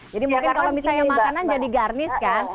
jadi mungkin kalau misalnya makanan jadi garnis kan